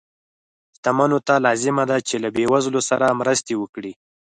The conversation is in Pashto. شتمنو ته لازمه ده چې له بې وزلو سره مرستې وکړي.